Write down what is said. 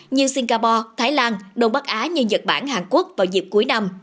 như singapore thái lan đông bắc á như nhật bản hàn quốc vào dịp cuối năm